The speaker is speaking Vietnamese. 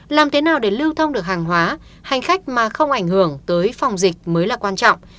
làm thế nào để lưu thông được hàng hóa hành khách mà không ảnh hưởng tới phòng dịch mới là quan trọng